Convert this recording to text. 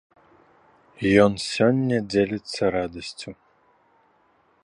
Ён сёння дзеліцца радасцю.